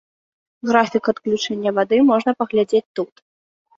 Графік адключэння вады можна паглядзець тут.